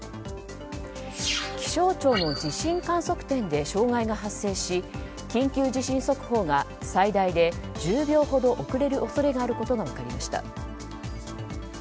気象庁の地震観測点で障害が発生し緊急地震速報が最大で１０秒ほど遅れる恐れがあることが分かりました。